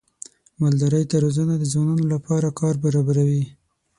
مالدارۍ ته روزنه د ځوانانو لپاره کار برابروي.